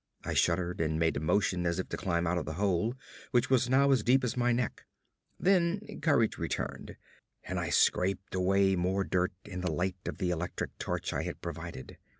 I shuddered, and made a motion as if to climb out of the hole, which was now as deep as my neck. Then courage returned, and I scraped away more dirt in the light of the electric torch I had provided.